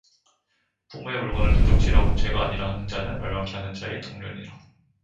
부모의 물건을 도적질하고 죄가 아니라 하는 자는 멸망케 하는 자의 동류니라